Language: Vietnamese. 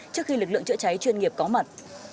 trước khi lực lượng chữa cháy chuyên nghiệp có mặt